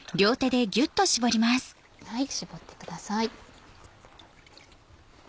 絞ってください。